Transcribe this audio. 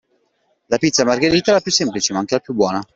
La pizza margherita è la più semplice, ma anche la più buona.